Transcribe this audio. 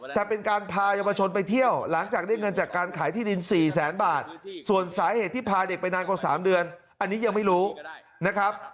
แต่เป็นการพายาวชนไปเที่ยวหลังจากได้เงินจากการขายที่ดิน๔แสนบาทส่วนสาเหตุที่พาเด็กไปนานกว่า๓เดือนอันนี้ยังไม่รู้นะครับ